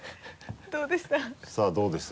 どうでした？